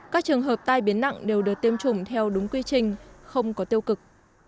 các trường hợp tai biến nặng đều được tiêm chủng theo đúng quy trình không có tiêu cực